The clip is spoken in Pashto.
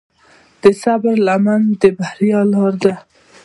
د صبر لمن د بریا لاره ده.